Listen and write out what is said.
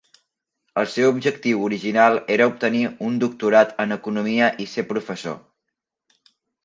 El seu objectiu original era obtenir un doctorat en Economia i ser professor.